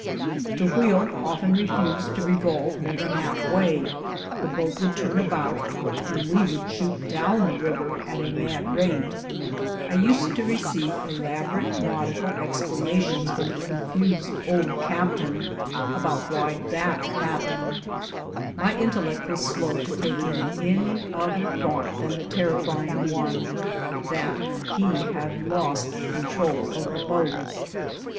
The wheel often refused to revolve more than half way, the boat would turn about, and we would shoot down the river at a mad rate. I used to receive elaborate nautical explanations from the confused old captain why that happened. My intellect was slow to take in any other thought than the terrifying one — that he had lost control of the boat.